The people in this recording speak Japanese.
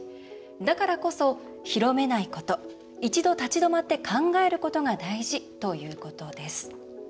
だからこそ広めないこと一度立ち止まって考えることが大事」ということです。